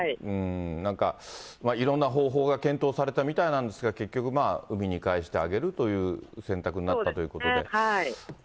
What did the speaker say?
なんか、いろんな方法が検討されたみたいなんですが、結局、海に帰してあげるという選択になったということです。